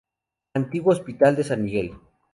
Antiguo Hospital de San Miguel.